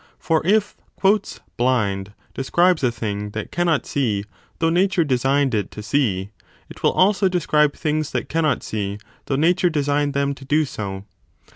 For if blind describes a thing that cannot see though nature designed it to see, it will also describe things that cannot 15 see though nature designed them to do so.